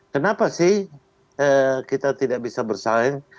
kenapa sih kita tidak bisa bersaing